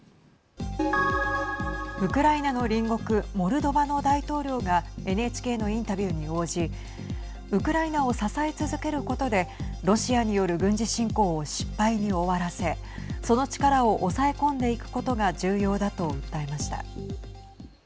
ウクライナの隣国モルドバの大統領がＮＨＫのインタビューに応じウクライナを支え続けることでロシアによる軍事侵攻を失敗に終わらせその力を抑え込んでいくことが重要だと訴えました。